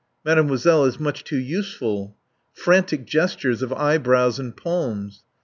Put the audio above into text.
"Mademoiselle is much too useful." Frantic gestures of eyebrows and palms.